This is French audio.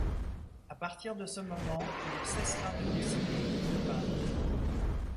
À partir de ce moment, il ne cessera de dessiner, de peindre.